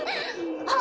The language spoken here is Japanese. あ！